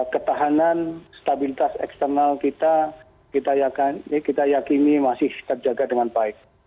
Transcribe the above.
ketahanan stabilitas eksternal kita kita yakini masih terjaga dengan baik